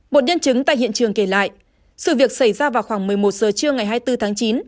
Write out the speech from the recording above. một nhân chứng tại hiện trường kể lại sự việc xảy ra vào khoảng một mươi một giờ trưa ngày hai mươi bốn tháng chín